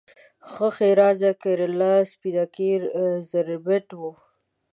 ښه ښېرازه کیراله، سپینکۍ زربټ و